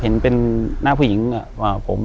อยู่ที่แม่ศรีวิรัยิลครับ